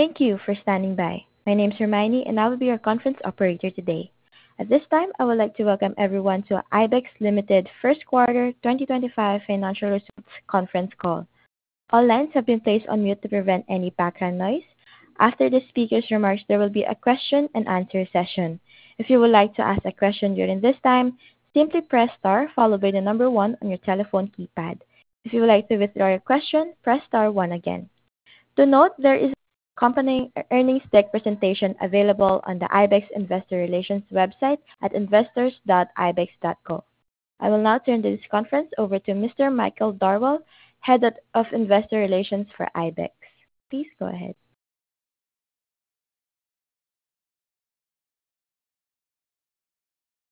Thank you for standing by. My name is Hermione, and I will be your conference operator today. At this time, I would like to welcome everyone to IBEX Limited's first quarter 2025 financial results conference call. All lines have been placed on mute to prevent any background noise. After the speakers' remarks, there will be a question-and-answer session. If you would like to ask a question during this time, simply press * followed by the number 1 on your telephone keypad. If you would like to withdraw your question, press *1 again. To note, there is an accompanying earnings deck presentation available on the IBEX Investor Relations website at investors.ibex.co. I will now turn this conference over to Mr. Michael Darwal, Head of Investor Relations for IBEX. Please go ahead.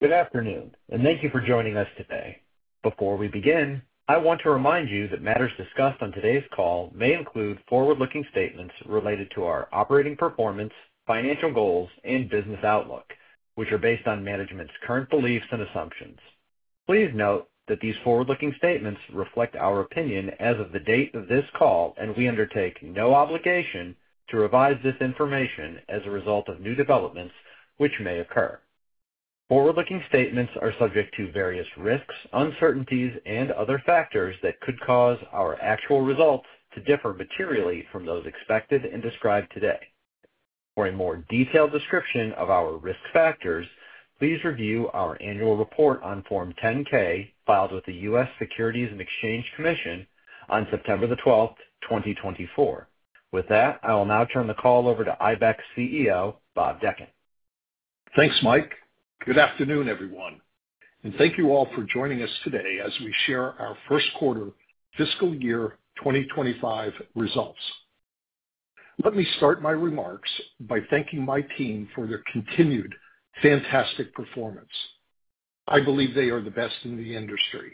Good afternoon, and thank you for joining us today. Before we begin, I want to remind you that matters discussed on today's call may include forward-looking statements related to our operating performance, financial goals, and business outlook, which are based on management's current beliefs and assumptions. Please note that these forward-looking statements reflect our opinion as of the date of this call, and we undertake no obligation to revise this information as a result of new developments which may occur. Forward-looking statements are subject to various risks, uncertainties, and other factors that could cause our actual results to differ materially from those expected and described today. For a more detailed description of our risk factors, please review our annual report on Form 10-K filed with the U.S. Securities and Exchange Commission on September 12, 2024. With that, I will now turn the call over to IBEX CEO, Bob Dechant. Thanks, Mike. Good afternoon, everyone, and thank you all for joining us today as we share our first quarter fiscal year 2025 results. Let me start my remarks by thanking my team for their continued fantastic performance. I believe they are the best in the industry.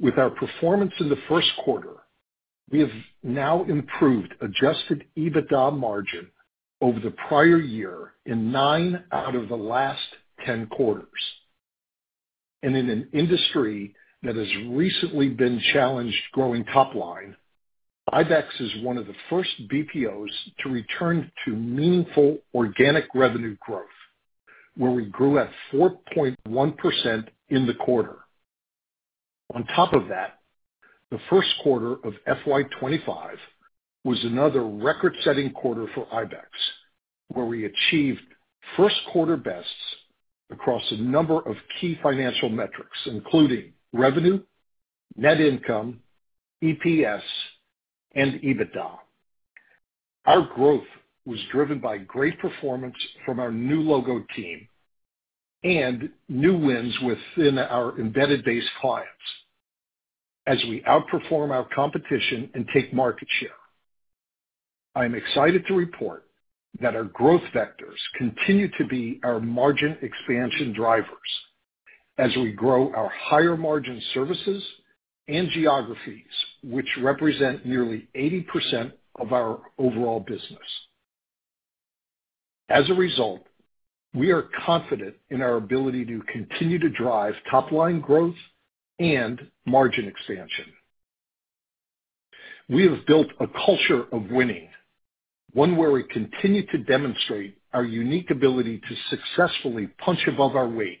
With our performance in the first quarter, we have now improved Adjusted EBITDA margin over the prior year in nine out of the last 10 quarters. And in an industry that has recently been challenged growing top line, IBEX is one of the first BPOs to return to meaningful organic revenue growth, where we grew at 4.1% in the quarter. On top of that, the first quarter of FY25 was another record-setting quarter for IBEX, where we achieved first-quarter bests across a number of key financial metrics, including revenue, net income, EPS, and EBITDA. Our growth was driven by great performance from our new logo team and new wins within our embedded base clients as we outperform our competition and take market share. I am excited to report that our growth vectors continue to be our margin expansion drivers as we grow our higher-margin services and geographies, which represent nearly 80% of our overall business. As a result, we are confident in our ability to continue to drive top line growth and margin expansion. We have built a culture of winning, one where we continue to demonstrate our unique ability to successfully punch above our weight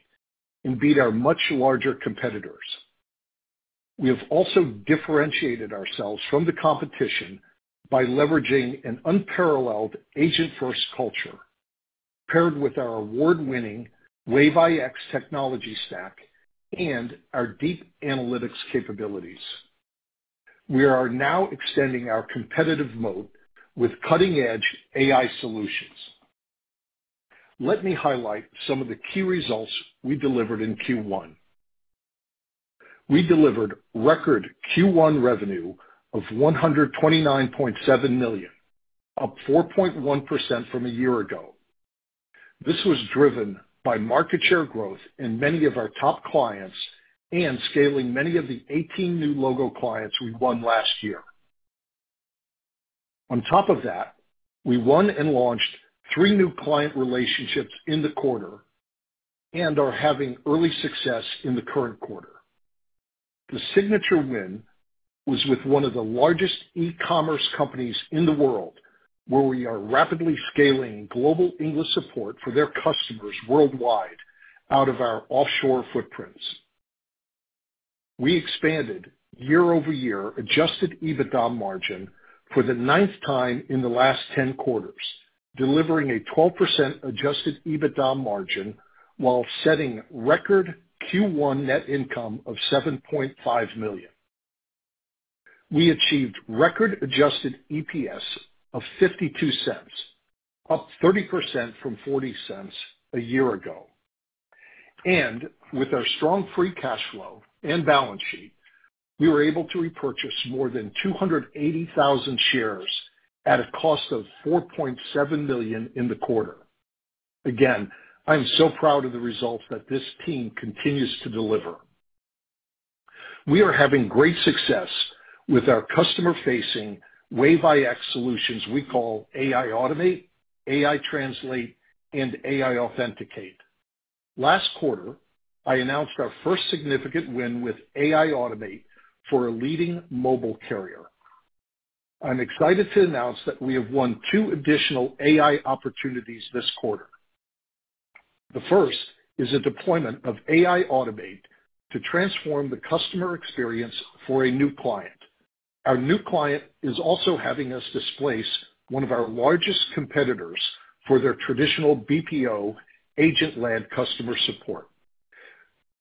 and beat our much larger competitors. We have also differentiated ourselves from the competition by leveraging an unparalleled agent-first culture, paired with our award-winning Wave X technology stack and our deep analytics capabilities. We are now extending our competitive moat with cutting-edge AI solutions. Let me highlight some of the key results we delivered in Q1. We delivered record Q1 revenue of $129.7 million, up 4.1% from a year ago. This was driven by market share growth in many of our top clients and scaling many of the 18 new logo clients we won last year. On top of that, we won and launched three new client relationships in the quarter and are having early success in the current quarter. The signature win was with one of the largest e-commerce companies in the world, where we are rapidly scaling global English support for their customers worldwide out of our offshore footprints. We expanded year-over-year Adjusted EBITDA margin for the ninth time in the last 10 quarters, delivering a 12% Adjusted EBITDA margin while setting record Q1 net income of $7.5 million. We achieved record adjusted EPS of $0.52, up 30% from $0.40 a year ago, and with our strong free cash flow and balance sheet, we were able to repurchase more than 280,000 shares at a cost of $4.7 million in the quarter. Again, I am so proud of the results that this team continues to deliver. We are having great success with our customer-facing Wave X solutions we call AI Automate, AI Translate, and AI Authenticate. Last quarter, I announced our first significant win with AI Automate for a leading mobile carrier. I'm excited to announce that we have won two additional AI opportunities this quarter. The first is a deployment of AI Automate to transform the customer experience for a new client. Our new client is also having us displace one of our largest competitors for their traditional BPO agent-led customer support.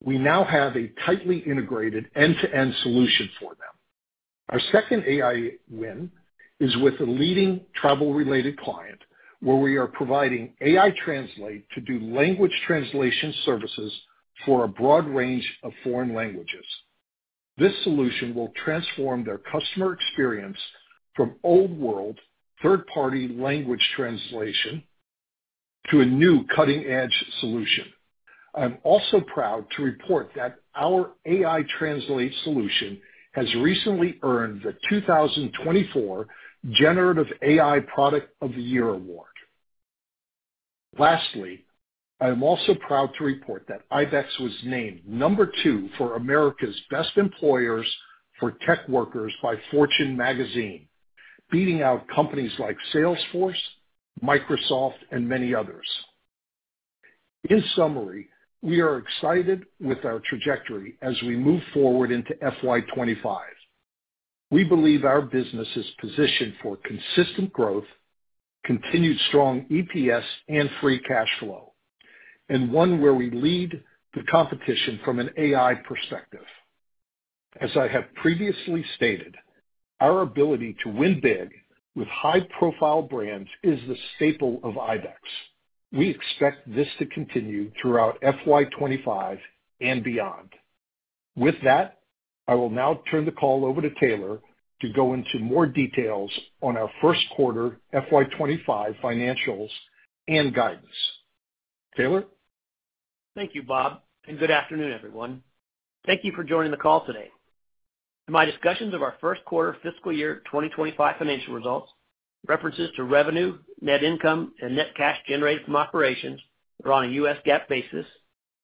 We now have a tightly integrated end-to-end solution for them. Our second AI win is with a leading travel-related client, where we are providing AI Translate to do language translation services for a broad range of foreign languages. This solution will transform their customer experience from old-world third-party language translation to a new cutting-edge solution. I'm also proud to report that our AI Translate solution has recently earned the 2024 Generative AI Product of the Year Award. Lastly, I am also proud to report that IBEX was named number two for America's Best Employers for Tech Workers by Fortune Magazine, beating out companies like Salesforce, Microsoft, and many others. In summary, we are excited with our trajectory as we move forward into FY25. We believe our business is positioned for consistent growth, continued strong EPS, and free cash flow, and one where we lead the competition from an AI perspective. As I have previously stated, our ability to win big with high-profile brands is the staple of IBEX. We expect this to continue throughout FY25 and beyond. With that, I will now turn the call over to Taylor to go into more details on our first quarter FY25 financials and guidance. Taylor? Thank you, Bob, and good afternoon, everyone. Thank you for joining the call today. In my discussions of our first quarter fiscal year 2025 financial results, references to revenue, net income, and net cash generated from operations are on a U.S. GAAP basis,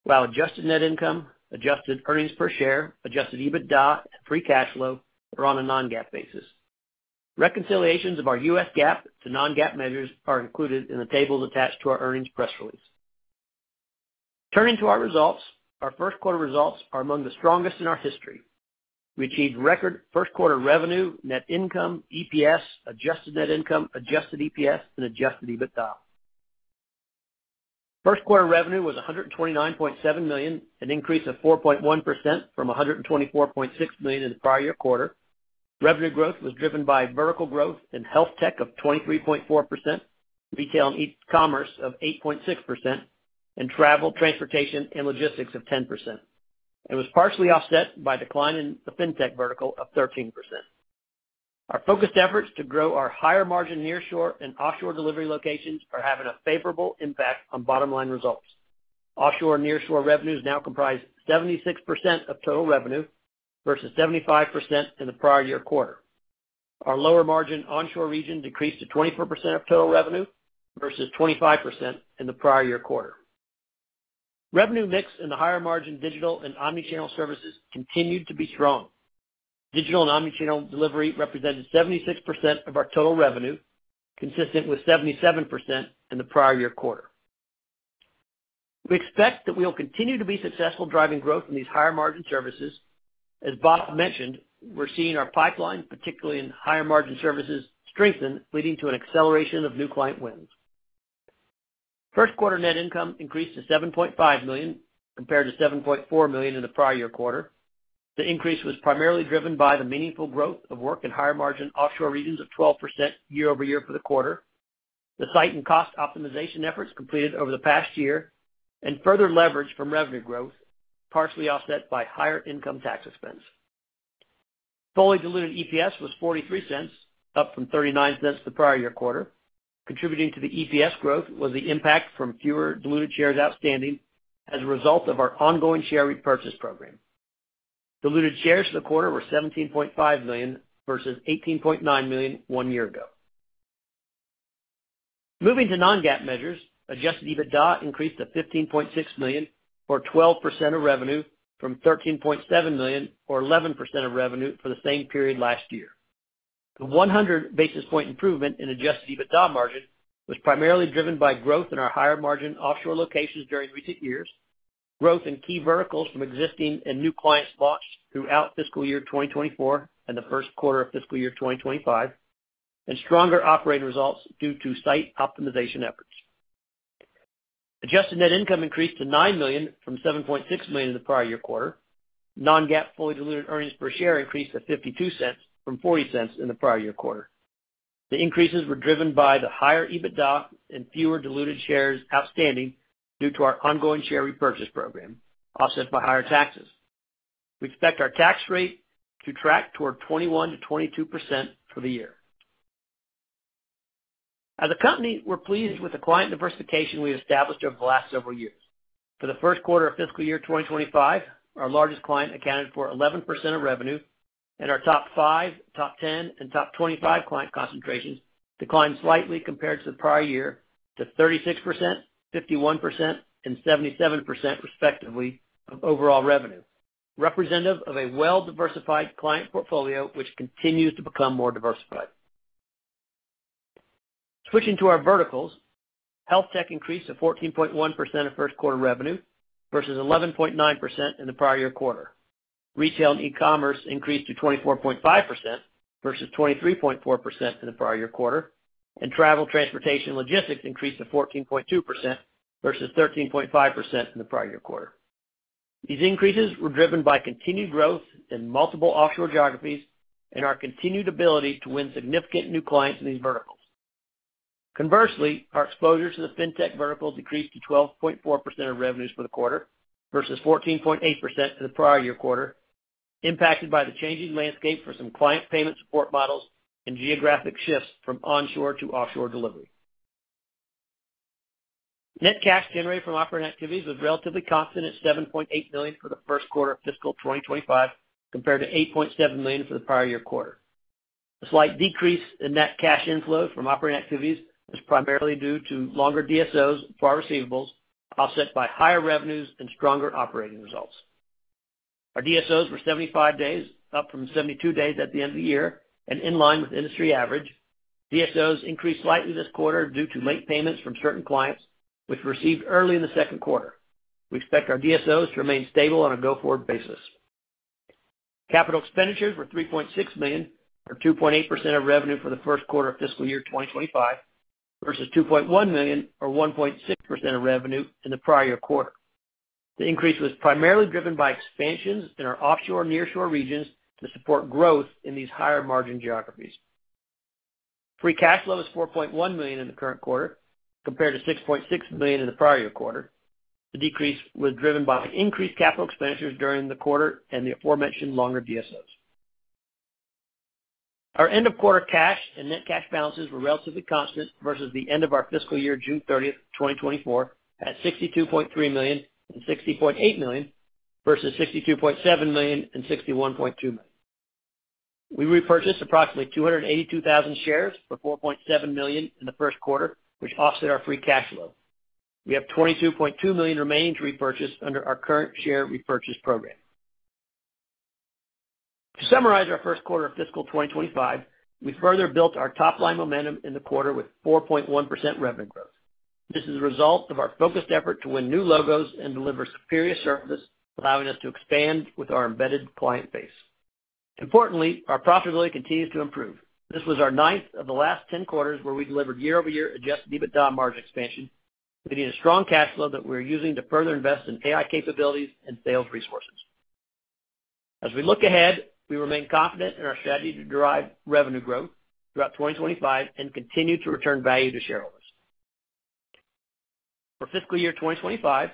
while adjusted net income, adjusted earnings per share, adjusted EBITDA, and free cash flow are on a non-GAAP basis. Reconciliations of our U.S. GAAP to non-GAAP measures are included in the tables attached to our earnings press release. Turning to our results, our first quarter results are among the strongest in our history. We achieved record first quarter revenue, net income, EPS, adjusted net income, adjusted EPS, and adjusted EBITDA. First quarter revenue was $129.7 million, an increase of 4.1% from $124.6 million in the prior year quarter. Revenue growth was driven by vertical growth in healthtech of 23.4%, retail and e-commerce of 8.6%, and travel, transportation, and logistics of 10%. It was partially offset by a decline in the fintech vertical of 13%. Our focused efforts to grow our higher-margin nearshore and offshore delivery locations are having a favorable impact on bottom-line results. Offshore nearshore revenues now comprise 76% of total revenue versus 75% in the prior year quarter. Our lower-margin onshore region decreased to 24% of total revenue versus 25% in the prior year quarter. Revenue mix in the higher-margin digital and omnichannel services continued to be strong. Digital and omnichannel delivery represented 76% of our total revenue, consistent with 77% in the prior year quarter. We expect that we will continue to be successful driving growth in these higher-margin services. As Bob mentioned, we're seeing our pipeline, particularly in higher-margin services, strengthen, leading to an acceleration of new client wins. First quarter net income increased to $7.5 million compared to $7.4 million in the prior year quarter. The increase was primarily driven by the meaningful growth of work in higher-margin offshore regions of 12% year-over-year for the quarter, the site and cost optimization efforts completed over the past year, and further leverage from revenue growth, partially offset by higher income tax expense. Fully diluted EPS was $0.43, up from $0.39 the prior year quarter. Contributing to the EPS growth was the impact from fewer diluted shares outstanding as a result of our ongoing share repurchase program. Diluted shares for the quarter were 17.5 million versus 18.9 million one year ago. Moving to non-GAAP measures, adjusted EBITDA increased to $15.6 million, or 12% of revenue, from $13.7 million, or 11% of revenue, for the same period last year. The 100 basis point improvement in adjusted EBITDA margin was primarily driven by growth in our higher-margin offshore locations during recent years, growth in key verticals from existing and new clients launched throughout fiscal year 2024 and the first quarter of fiscal year 2025, and stronger operating results due to site optimization efforts. Adjusted net income increased to $9 million from $7.6 million in the prior year quarter. Non-GAAP fully diluted earnings per share increased to $0.52 from $0.40 in the prior year quarter. The increases were driven by the higher EBITDA and fewer diluted shares outstanding due to our ongoing share repurchase program, offset by higher taxes. We expect our tax rate to track toward 21%-22% for the year. As a company, we're pleased with the client diversification we've established over the last several years. For the first quarter of fiscal year 2025, our largest client accounted for 11% of revenue, and our top 5, top 10, and top 25 client concentrations declined slightly compared to the prior year to 36%, 51%, and 77%, respectively, of overall revenue, representative of a well-diversified client portfolio, which continues to become more diversified. Switching to our verticals, healthtech increased to 14.1% of first quarter revenue versus 11.9% in the prior year quarter. Retail and e-commerce increased to 24.5% versus 23.4% in the prior year quarter, and travel, transportation, and logistics increased to 14.2% versus 13.5% in the prior year quarter. These increases were driven by continued growth in multiple offshore geographies and our continued ability to win significant new clients in these verticals. Conversely, our exposure to the fintech vertical decreased to 12.4% of revenues for the quarter versus 14.8% in the prior year quarter, impacted by the changing landscape for some client payment support models and geographic shifts from onshore to offshore delivery. Net cash generated from operating activities was relatively constant at $7.8 million for the first quarter of fiscal 2025 compared to $8.7 million for the prior year quarter. A slight decrease in net cash inflow from operating activities was primarily due to longer DSOs for our receivables, offset by higher revenues and stronger operating results. Our DSOs were 75 days, up from 72 days at the end of the year, and in line with industry average. DSOs increased slightly this quarter due to late payments from certain clients, which were received early in the second quarter. We expect our DSOs to remain stable on a go-forward basis. Capital expenditures were $3.6 million, or 2.8% of revenue for the first quarter of fiscal year 2025, versus $2.1 million, or 1.6% of revenue in the prior year quarter. The increase was primarily driven by expansions in our offshore nearshore regions to support growth in these higher-margin geographies. Free cash flow was $4.1 million in the current quarter compared to $6.6 million in the prior year quarter. The decrease was driven by increased capital expenditures during the quarter and the aforementioned longer DSOs. Our end-of-quarter cash and net cash balances were relatively constant versus the end of our fiscal year, June 30, 2024, at $62.3 million and $60.8 million versus $62.7 million and $61.2 million. We repurchased approximately 282,000 shares for $4.7 million in the first quarter, which offset our free cash flow. We have $22.2 million remaining to repurchase under our current share repurchase program. To summarize our first quarter of fiscal 2025, we further built our top-line momentum in the quarter with 4.1% revenue growth. This is a result of our focused effort to win new logos and deliver superior service, allowing us to expand with our embedded client base. Importantly, our profitability continues to improve. This was our ninth of the last 10 quarters where we delivered year-over-year Adjusted EBITDA margin expansion, leading to strong cash flow that we are using to further invest in AI capabilities and sales resources. As we look ahead, we remain confident in our strategy to drive revenue growth throughout 2025 and continue to return value to shareholders. For fiscal year 2025,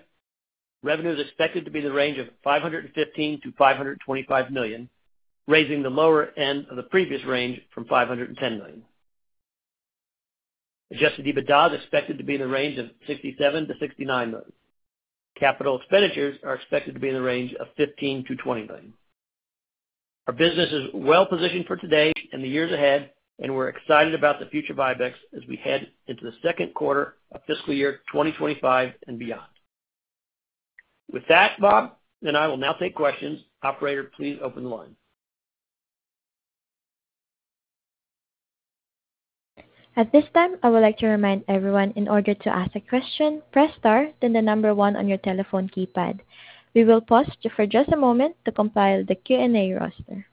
revenue is expected to be in the range of $515-$525 million, raising the lower end of the previous range from $510 million. Adjusted EBITDA is expected to be in the range of $67-$69 million. Capital expenditures are expected to be in the range of $15-$20 million. Our business is well-positioned for today and the years ahead, and we're excited about the future of IBEX as we head into the second quarter of fiscal year 2025 and beyond. With that, Bob and I will now take questions. Operator, please open the line. At this time, I would like to remind everyone in order to ask a question, press star, then the number one on your telephone keypad. We will pause for just a moment to compile the Q&A roster.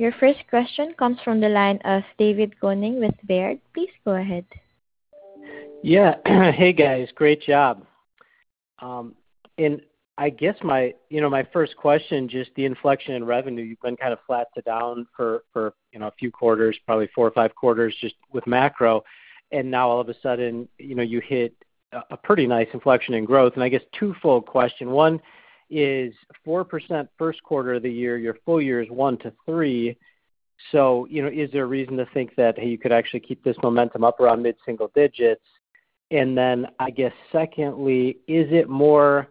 Your first question comes from the line of David Koning with Baird. Please go ahead. Yeah. Hey, guys. Great job. And I guess my first question, just the inflection in revenue, you've been kind of flat to down for a few quarters, probably four or five quarters, just with macro. And now, all of a sudden, you hit a pretty nice inflection in growth. And I guess two-fold question. One is 4% first quarter of the year. Your full year is 1%-3%. So is there a reason to think that you could actually keep this momentum up around mid-single digits? And then I guess, secondly, is it more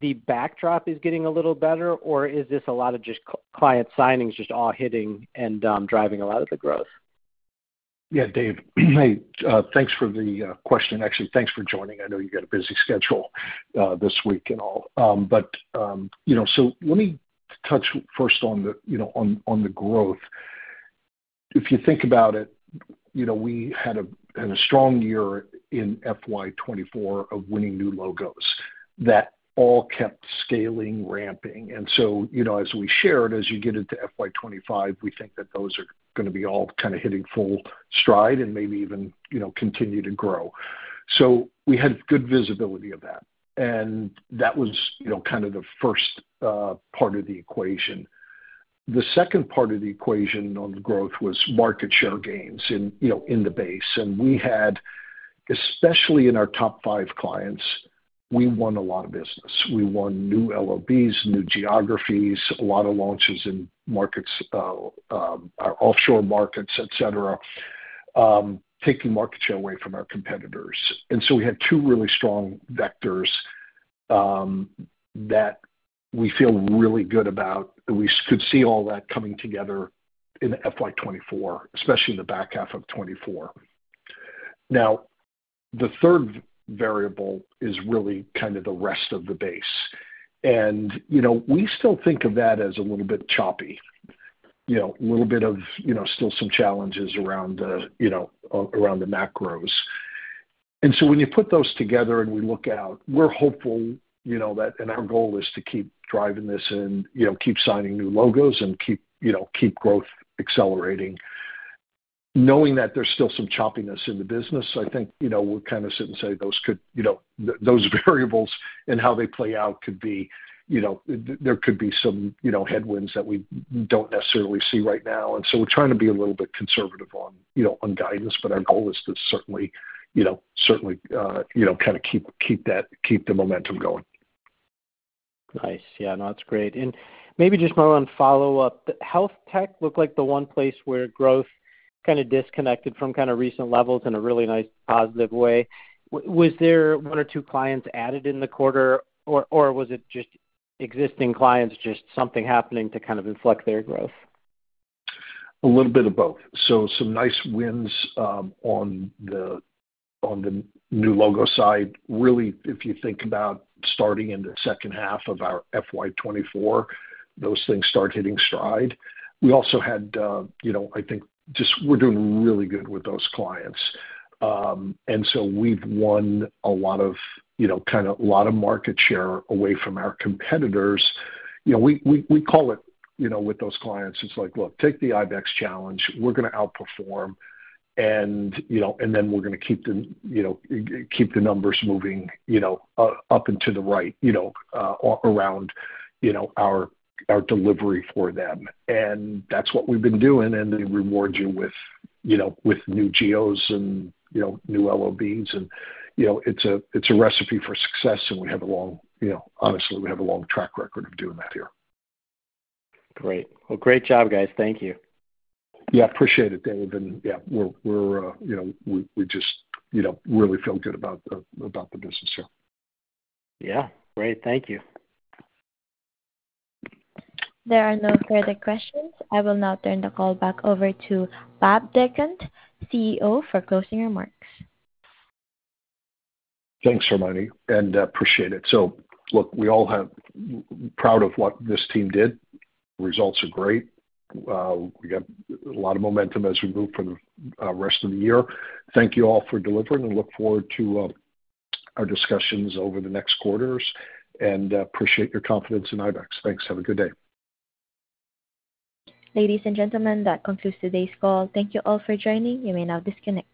the backdrop is getting a little better, or is this a lot of just client signings just all hitting and driving a lot of the growth? Yeah, Dave, thanks for the question. Actually, thanks for joining. I know you got a busy schedule this week and all, but so let me touch first on the growth. If you think about it, we had a strong year in FY24 of winning new logos that all kept scaling, ramping, and so as we shared, as you get into FY25, we think that those are going to be all kind of hitting full stride and maybe even continue to grow, so we had good visibility of that, and that was kind of the first part of the equation. The second part of the equation on growth was market share gains in the base, and we had, especially in our top five clients, we won a lot of business. We won new LOBs, new geographies, a lot of launches in markets, our offshore markets, etc., taking market share away from our competitors. And so we had two really strong vectors that we feel really good about. We could see all that coming together in FY24, especially in the back half of 2024. Now, the third variable is really kind of the rest of the base. And we still think of that as a little bit choppy, a little bit of still some challenges around the macros. And so when you put those together and we look out, we're hopeful that our goal is to keep driving this and keep signing new logos and keep growth accelerating. Knowing that there's still some choppiness in the business, I think we'll kind of sit and say those variables and how they play out could be some headwinds that we don't necessarily see right now, and so we're trying to be a little bit conservative on guidance, but our goal is to certainly kind of keep the momentum going. Nice. Yeah. No, that's great. And maybe just my own follow-up. Healthtech looked like the one place where growth kind of disconnected from kind of recent levels in a really nice positive way. Was there one or two clients added in the quarter, or was it just existing clients, just something happening to kind of inflect their growth? A little bit of both. So some nice wins on the new logo side. Really, if you think about starting in the second half of our FY24, those things start hitting stride. We also had, I think, just we're doing really good with those clients. And so we've won a lot of kind of a lot of market share away from our competitors. We call it with those clients. It's like, "Look, take the IBEX challenge. We're going to outperform, and then we're going to keep the numbers moving up and to the right around our delivery for them." And that's what we've been doing. And they reward you with news and new LOBs. And it's a recipe for success. And we have a long, honestly, we have a long track record of doing that here. Great. Great job, guys. Thank you. Yeah. Appreciate it, Dave, and yeah, we just really feel good about the business here. Yeah. Great. Thank you. There are no further questions. I will now turn the call back over to Bob Dechant, CEO, for closing remarks. Thanks, Hermione. And appreciate it. Look, we all are proud of what this team did. The results are great. We got a lot of momentum as we move forward for the rest of the year. Thank you all for delivering and look forward to our discussions over the next quarters. And appreciate your confidence in IBEX. Thanks. Have a good day. Ladies and gentlemen, that concludes today's call. Thank you all for joining. You may now disconnect.